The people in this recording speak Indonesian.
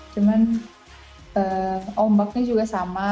cuman ombaknya juga sama